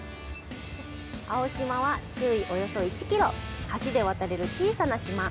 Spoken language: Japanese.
青島は、周囲およそ１キロ、橋で渡れる小さな島。